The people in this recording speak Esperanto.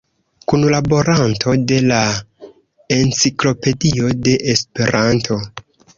Kunlaboranto de la "Enciklopedio de Esperanto".